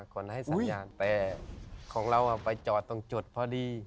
คนให้สัญญาณแต่ของเราไปจอดตรงจุดพอดี